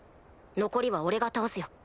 残りは俺が倒すよ。